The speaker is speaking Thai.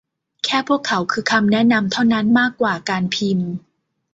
แค่พวกเขาคือคำแนะนำเท่านั้นมากกว่าการพิมพ์